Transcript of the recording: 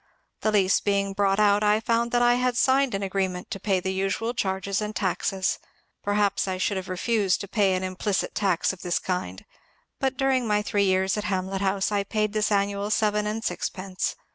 The lease being brought out I found that I had signed an agreement to pay the usual charges and taxes. Perhaps I should have refused to pay an implicit tax of this kind, but during my three years at Hamlet House I paid this annual seven and sixpence.